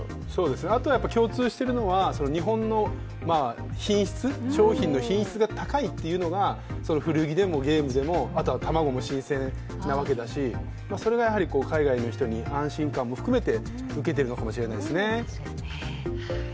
あとは共通してるのは日本の商品の品質が高いっていうのが古着でもゲームでも、あと、卵も新鮮なわけだし、それがやはり海外の人に安心感を含めてウケているのかもしれないですね。